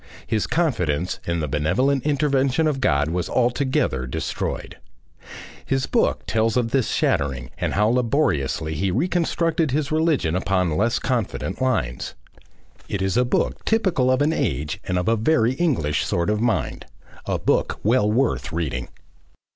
His confidence in the benevolent intervention of God was altogether destroyed. His book tells of this shattering, and how labouriously he reconstructed his religion upon less confident lines. It is a book typical of an age and of a very English sort of mind, a book well worth reading.